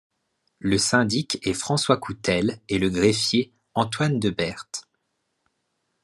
Le syndic est François Coutelle, et le greffier Antoine de Bert.